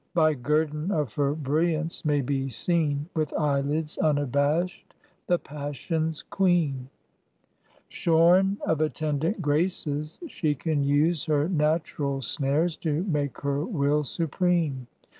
By guerdon of her brilliance may be seen With eyelids unabashed the passion's Queen. Shorn of attendant Graces she can use Her natural snares to make her will supreme.